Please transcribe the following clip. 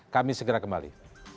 kami segera kembali